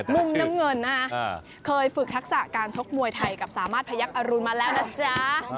มุมน้ำเงินนะฮะเคยฝึกทักษะการชกมวยไทยกับสามารถพยักษรุณมาแล้วนะจ๊ะ